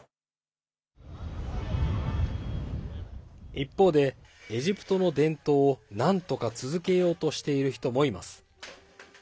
一方で、エジプトの伝統をなんとか続けようとしている人もいます。